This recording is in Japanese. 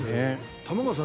玉川さん